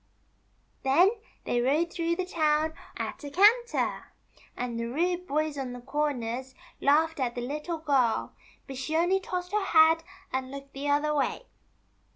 Then they rode through the town at a canter, and 320 THE CHILDREN'S WONDER BOOK. the rude boys on the corners laughed at the Little Girl ; but she only tossed her head, and looked the other way.